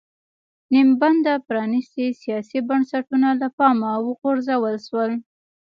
نیم بنده پرانېستي سیاسي بنسټونه له پامه وغورځول شول.